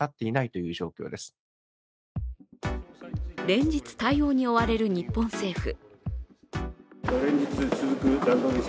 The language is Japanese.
連日、対応に追われる日本政府。